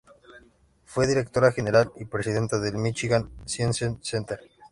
Fue directora general y presidenta del Michigan Science Center.